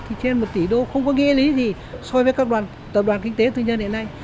thì trên một tỷ đô không có nghĩa lý gì so với các đoàn tập đoàn kinh tế tư nhân hiện nay